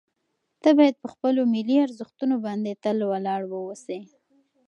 ته باید په خپلو ملي ارزښتونو باندې تل ولاړ واوسې.